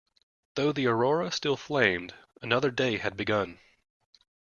Though the aurora still flamed, another day had begun.